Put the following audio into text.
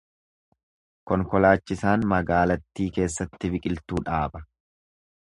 Konkolaachisaan magaalattii keessatti biqiltuu dhaaba.